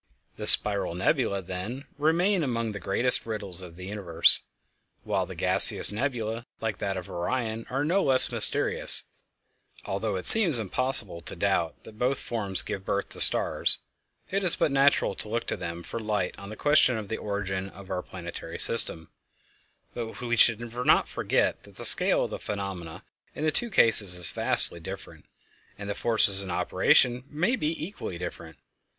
The spiral nebulæ, then, remain among the greatest riddles of the universe, while the gaseous nebulæ, like that of Orion, are no less mysterious, although it seems impossible to doubt that both forms give birth to stars. It is but natural to look to them for light on the question of the origin of our planetary system; but we should not forget that the scale of the phenomena in the two cases is vastly different, and the forces in operation may be equally different.